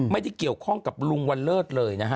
ไม่ได้เกี่ยวข้องกับลุงวันเลิศเลยนะฮะ